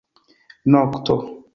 Nokto.